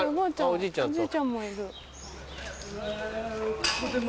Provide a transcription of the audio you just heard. おじいちゃんもいる。